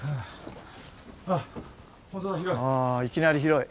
いきなり広い。